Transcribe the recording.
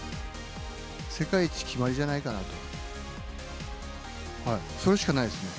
世界一決まりじゃないかなと、それしかないですよね。